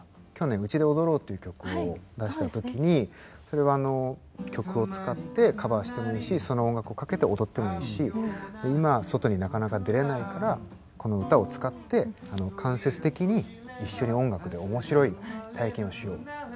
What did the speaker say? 去年「うちで踊ろう」っていう曲を出した時にそれは曲を使ってカバーしてもいいしその音楽をかけて踊ってもいいし今外になかなか出れないからこの歌を使って間接的に一緒に音楽でおもしろい体験をしよう。